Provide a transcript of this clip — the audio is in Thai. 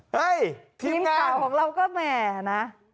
เฮ้ยทีมข่าวของเราก็แหม่นะ